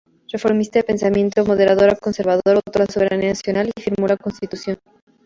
Reformista, de pensamiento moderadamente conservador, votó la soberanía nacional y firmó la Constitución.